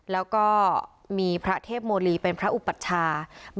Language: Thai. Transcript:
แล้วก็มีพระเทพโมลีเป็นพระอุปัชชา